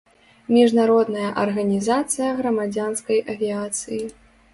Міжнародная арганізацыя грамадзянскай авіяцыі.